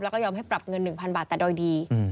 แล้วก็ยอมให้ปรับเงินหนึ่งพันบาทแต่โดยดี